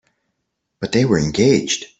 But they were engaged.